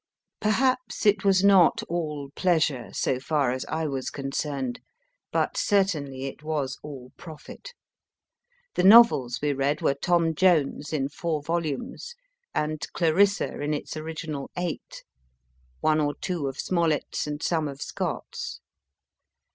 Perhaps it was not all pleasure, so far as I was con cerned, but certainly it was all profit. The novels we read were * Tom Jones, in four volumes, and * Clarissa, in its original eight, one or two of Smollett s, and some of Scott s.